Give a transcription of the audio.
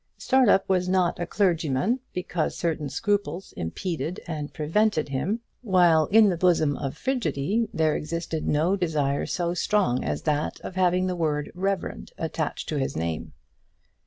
Startup was not a clergyman because certain scruples impeded and prevented him, while in the bosom of Frigidy there existed no desire so strong as that of having the word reverend attached to his name.